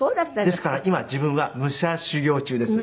ですから今自分は武者修行中です。